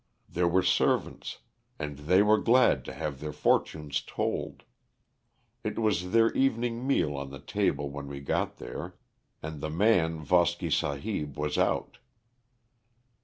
"There were servants, and they were glad to have their fortunes told. It was their evening meal on the table when we got there, and the man Voski Sahib was out.